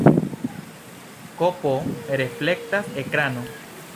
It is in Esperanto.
Kp reflekta ekrano.